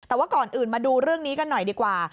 แต่ว่าก่อนอื่นมาดูเรื่องนี้กันหน่อยดีกว่า